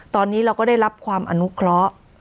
ตอนนี้เราก็ได้รับความอนุเคราะห์